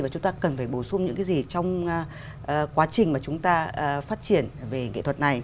và chúng ta cần phải bổ sung những cái gì